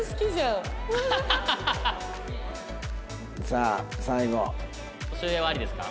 さあ最後。